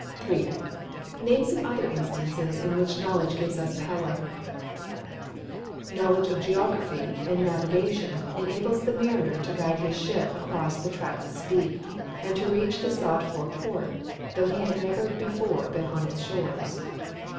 3. Name some other instances in which knowledge gives us power. Knowledge of Geography and of Navigation enables the mariner to guide his ship across the trackless deep, and to reach the sought for port, though he had never before been on its shores.